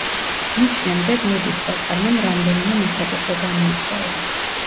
მის შემდეგ ლუდის საწარმომ რამდენიმე მესაკუთრე გამოიცვალა.